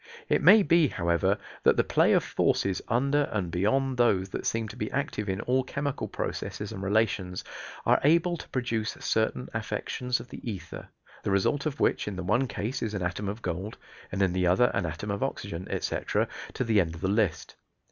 It may be, however, that the play of forces under and beyond those that seem to be active in all chemical processes and relations, are able to produce certain affections of the ether, the result of which in the one case is an atom of gold and in the other an atom of oxygen, etc., to the end of the list.